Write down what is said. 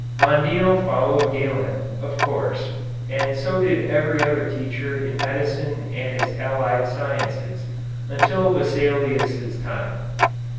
Mondino followed Galen, of course, and so did every other teacher in medicine and its allied sciences, until Vesalius' time.